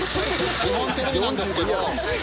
日本テレビなんですけど。